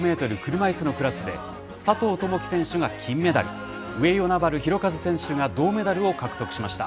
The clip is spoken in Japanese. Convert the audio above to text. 車いすのクラスで、佐藤友祈選手が金メダル、上与那原寛和選手が銅メダルを獲得しました。